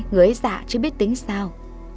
người ấy dạ chứ biết tính sao